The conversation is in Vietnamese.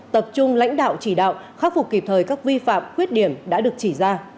tập trung lãnh đạo chỉ đạo khắc phục kịp thời các vi phạm khuyết điểm đã được chỉ ra